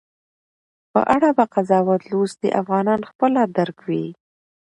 په اړه به قضاوت لوستي افغانان خپله درک وي